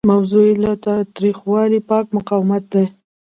موضوع یې له تاوتریخوالي پاک مقاومت دی.